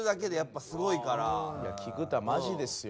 菊田マジですよ。